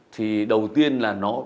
thì đầu tiên là nó